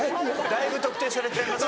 だいぶ特定されちゃいます。